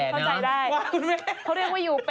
เฮ้ยหน้าตาดูดีมาคุยต่อ